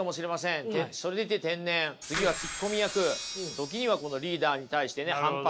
時にはこのリーダーに対してね反発。